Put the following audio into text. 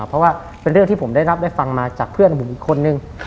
เพราะว่าเป็นเรื่องที่ผมได้รับได้ฟังมาจากเพื่อนผมอีกคนนึง